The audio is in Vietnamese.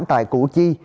tại cụ chi